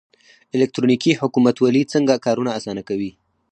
الکترونیکي حکومتولي څنګه کارونه اسانه کوي؟